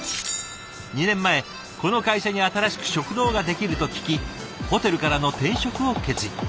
２年前この会社に新しく食堂ができると聞きホテルからの転職を決意。